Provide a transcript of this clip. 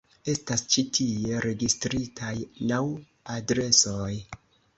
Estas ĉi tie registritaj naŭ adresoj.